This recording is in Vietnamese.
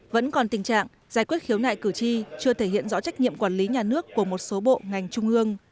vẫn còn tình trạng giải quyết khiếu nại cử tri chưa thể hiện rõ trách nhiệm quản lý nhà nước của một số bộ ngành trung ương